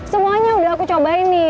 semuanya sudah aku coba ini